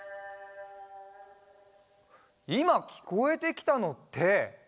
いまきこえてきたのって。